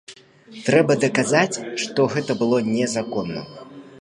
Трэба даказаць, што гэта было незаконна.